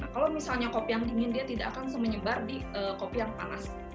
kalau misalnya kopi yang dingin dia tidak akan menyebar di kopi yang panas